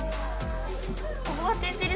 ここが「天てれ」